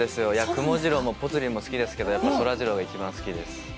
くもジローもぽつリンも好きですけど、そらジローが一番好きです。